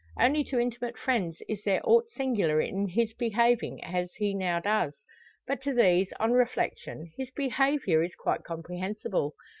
Only to intimate friends is there aught singular in his behaving as he now does. But to these, on reflection, his behaviour is quite comprehensible.